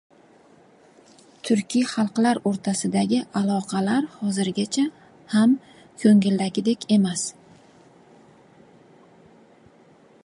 Turkiy xalqlar o‘rtasidagi aloqalar hozirgacha ham ko‘ngildagidek emas.